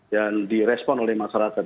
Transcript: yang direspon oleh masyarakat